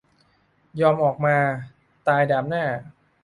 ยอมออกมา "ตายดาบหน้า"